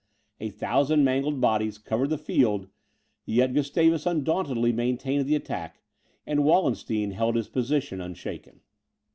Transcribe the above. A thousand mangled bodies covered the field; yet Gustavus undauntedly maintained the attack, and Wallenstein held his position unshaken.